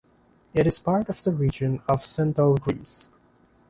It is part of the region of Central Greece.